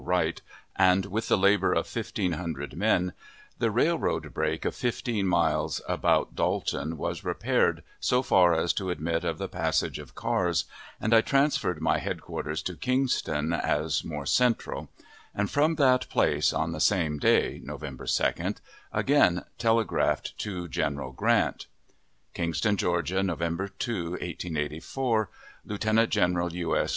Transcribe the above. Wright, and with the labor of fifteen hundred men, the railroad break of fifteen miles about Dalton was repaired so far as to admit of the passage of cars, and I transferred my headquarters to Kingston as more central; and from that place, on the same day (November 2d), again telegraphed to General Grant: KINGSTON, GEORGIA, November 2, 1884. Lieutenant General U. S.